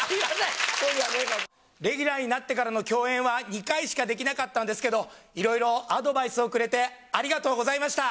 レギュラーになってからの共演は２回しかできなかったんですけど、いろいろアドバイスをくれありがとう。